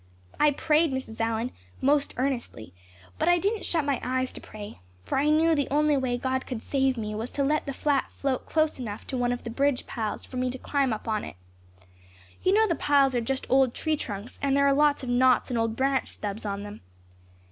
I prayed, Mrs. Allan, most earnestly, but I didn't shut my eyes to pray, for I knew the only way God could save me was to let the flat float close enough to one of the bridge piles for me to climb up on it. You know the piles are just old tree trunks and there are lots of knots and old branch stubs on them.